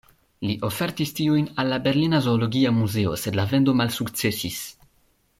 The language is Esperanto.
Li ofertis tiujn al la Berlina Zoologia Muzeo, sed la vendo malsukcesis.